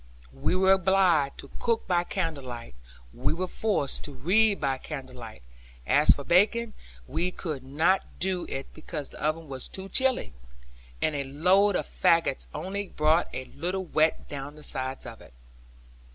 We were obliged to cook by candle light; we were forced to read by candle light; as for baking, we could not do it, because the oven was too chill; and a load of faggots only brought a little wet down the sides of it.